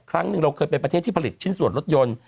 ครั้งหนึ่งเราเคยเป็นประเทศที่ผลิตชิ้นส่วนรถยนต์